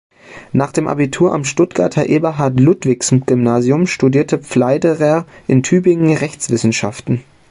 Nach dem Abitur am Stuttgarter Eberhard-Ludwigs-Gymnasium studierte Pfleiderer in Tübingen Rechtswissenschaften.